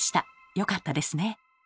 よかったですね。